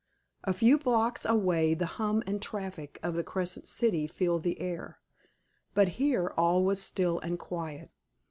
A few blocks away the hum and traffic of the Crescent City filled the air; but here all was still and quiet.